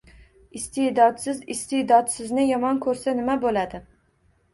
Iste’dodsiz iste’dodsizni yomon ko’rsa nima bo’ladi?